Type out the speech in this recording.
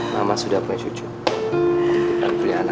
bukan rileks unserangan ibadatnya